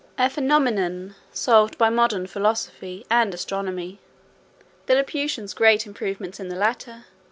A phenomenon solved by modern philosophy and astronomy. The Laputians' great improvements in the latter.